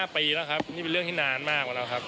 ปีแล้วครับนี่เป็นเรื่องที่นานมากกว่าแล้วครับ